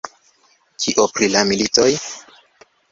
Kio pri la militoj?